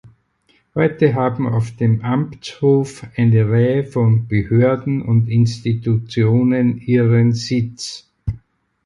Heute haben auf dem Amtshof eine Reihe von Behörden und Institutionen ihren Sitz.